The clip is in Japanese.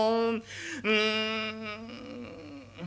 うん。